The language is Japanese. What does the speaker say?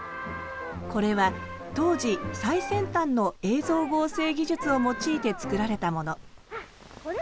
これは当時最先端の映像合成技術を用いて作られたもの。